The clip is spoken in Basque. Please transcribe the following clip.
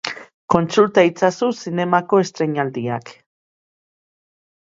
Kontsulta itzazu zinemako estreinaldiak.